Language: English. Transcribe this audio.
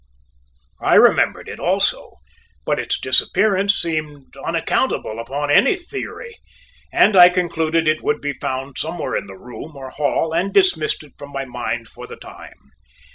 I remembered it, also, but its disappearance seemed unaccountable upon any theory, and I concluded it would be found somewhere in the room or hall and dismissed it from my mind for the time.